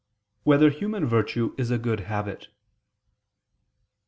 3] Whether Human Virtue Is a Good Habit?